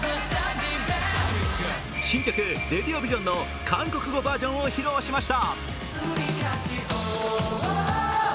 新曲「ＲａｄｉｏＶｉｓｉｏｎ」の韓国語バージョンを披露しました。